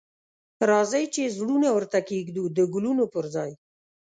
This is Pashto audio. راځئ چې زړونه ورته کښیږدو د ګلونو پر ځای